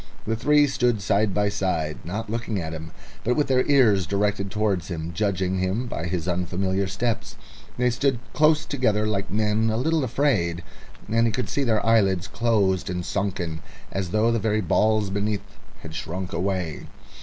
The three stood side by side, not looking at him, but with their ears directed towards him, judging him by his unfamiliar steps. They stood close together like men a little afraid, and he could see their eyelids closed and sunken, as though the very balls beneath had shrunk away.